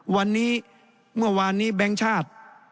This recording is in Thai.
วันนี้เมื่อวานนี้แบงค์ชาติ